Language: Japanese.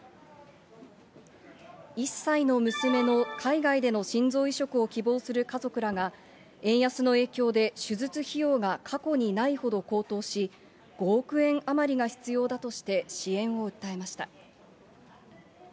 １歳の娘の海外での心臓移植を希望する家族らが、円安の影響で手術費用が過去にないほど高騰し、５億円余りが必要だとして、支援を訴えました。